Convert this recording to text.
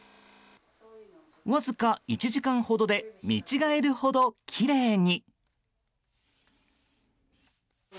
わずか１時間ほどで見違えるほどきれいに。